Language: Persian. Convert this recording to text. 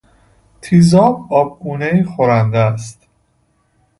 تیزاب آبگونهای خورنده است.